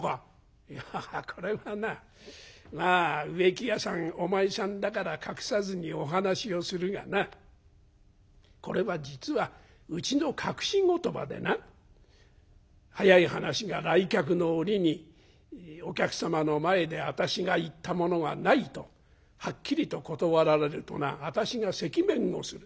「いやこれがなまあ植木屋さんお前さんだから隠さずにお話をするがなこれは実はうちの隠し言葉でな早い話が来客の折にお客様の前で私が言ったものがないとはっきりと断られるとな私が赤面をする。